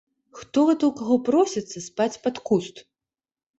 Хто гэта ў каго просіцца спаць пад куст!?